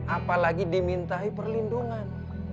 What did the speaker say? apalagi diminta perlindungan